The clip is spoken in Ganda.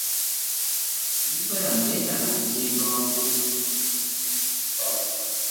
Ennyumba yamwe yeetaga okuzimba waggulu.